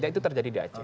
dan itu terjadi di aceh